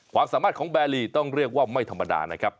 ความสามารถของแบรีต้องเรียกว่าไม่ธรรมดานะครับ